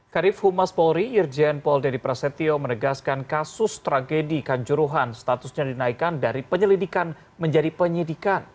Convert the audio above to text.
kadif humas polri irjen pol dedy prasetyo menegaskan kasus tragedi kanjuruhan statusnya dinaikkan dari penyelidikan menjadi penyidikan